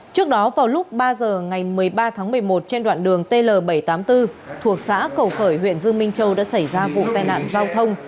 trước đó vào lúc ba giờ ngày một mươi ba tháng một mươi một trên đoạn đường tl bảy trăm tám mươi bốn thuộc xã cầu khởi huyện dương minh châu đã xảy ra vụ tai nạn giao thông